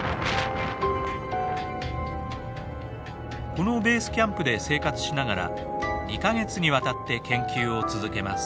このベースキャンプで生活しながら２か月にわたって研究を続けます。